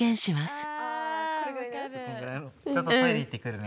ちょっとトイレ行ってくるね。